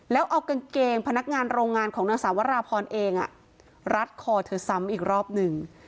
แล้วเอากางเกงพนักงานโรงงานของนางสาวราพรเองรัดคอเธอซ้ำอีกรอบหนึ่ง